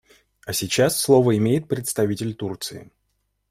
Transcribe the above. А сейчас слово имеет представитель Турции.